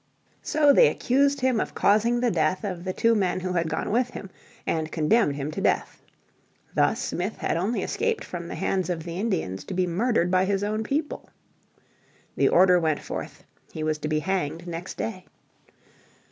So they accused him of causing the death of the two men who had gone with him, and condemned him to death. Thus Smith had only escaped from the hands of the Indians to be murdered by his own people. The order went forth. He was to be hanged next day.